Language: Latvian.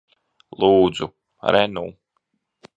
Lūdzu. Re nu.